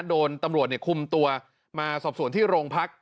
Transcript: โดนตำรวจคุมตัวมาสอบสวนที่โรงพัก